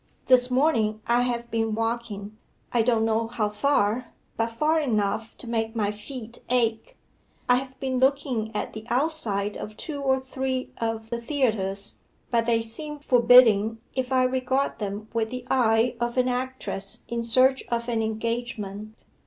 This morning I have been walking I don't know how far but far enough to make my feet ache. I have been looking at the outside of two or three of the theatres, but they seem forbidding if I regard them with the eye of an actress in search of an engagement.